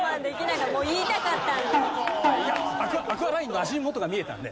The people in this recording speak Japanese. いやアクアラインの足元が見えたので。